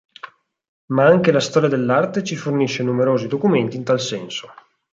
Ma anche la storia dell'arte ci fornisce numerosi documenti in tal senso.